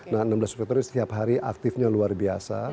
nah enam belas februari setiap hari aktifnya luar biasa